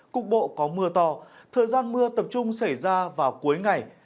cục bộ có mưa to thời gian mưa tập trung xảy ra vào cuối ngày